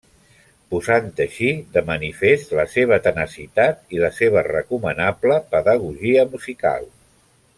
Posant així de manifest la seva tenacitat i la seva recomanable pedagogia musical.